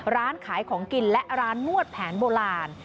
ร้านขายของกินและร้านนวดแผนโบราณ